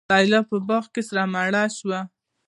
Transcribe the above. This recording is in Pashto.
لیلی په باغ کي سره مڼه شوه